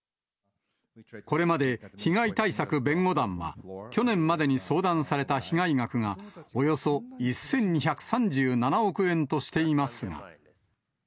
これまで被害対策弁護団は、去年までに相談された被害額がおよそ１２３７億円としていますが。